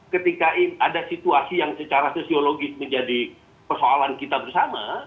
ketika ada situasi yang secara sosiologis menjadi persoalan kita bersama